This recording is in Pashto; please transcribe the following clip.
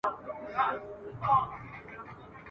د کتاب لوستل انسان ته د ستونزو د حل نوې لارې ور ..